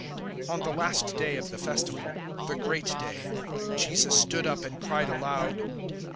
007:037 On the last day of the Festival the great day Jesus stood up and cried aloud.